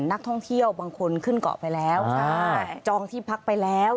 นักท่องเที่ยวบางคนขึ้นเกาะไปแล้วจองที่พักไปแล้ว